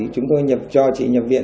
chúng tôi nhập cho chị nhập viện